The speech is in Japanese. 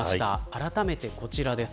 あらためて、こちらです。